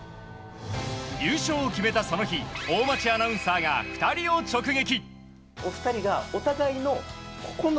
優勝を決めたその日大町アナウンサーが２人を直撃。